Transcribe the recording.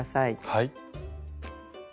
はい。